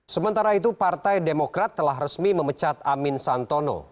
sementara itu partai demokrat telah resmi memecat amin santono